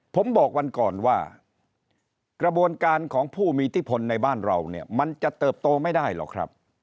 ผมบอกวันก่อนว่ากระบวนการของผู้มีอิทธิพลในบ้านเราเนี่ยมันจะเติบโตไม่ได้หรอกครับ